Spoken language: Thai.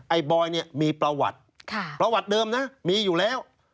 บอยเนี่ยมีประวัติประวัติเดิมนะมีอยู่แล้ว